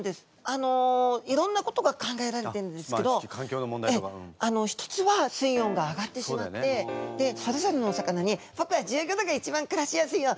あのいろんなことが考えられてるんですけど一つは水温が上がってしまってでそれぞれのお魚に「ぼくは１５度が一番くらしやすいよ」